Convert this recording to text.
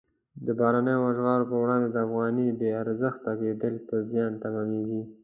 د بهرنیو اسعارو پر وړاندې د افغانۍ بې ارزښته کېدل په زیان تمامیږي.